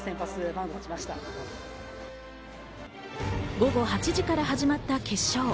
午後８時から始まった決勝。